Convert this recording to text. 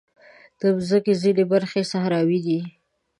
د مځکې ځینې برخې صحراوې دي.